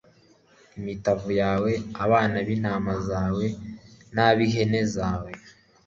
imitavu yawe, abana b'intama zawe n'ab'ihene zawe